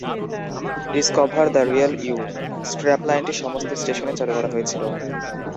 "Discover the real you" স্ট্র্যাপলাইনটি সমস্ত স্টেশনে চালু করা হয়েছিল।